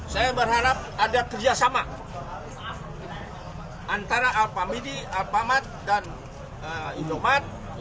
saya berharap ada kerjasama antara alpamidi alpamat dan indomat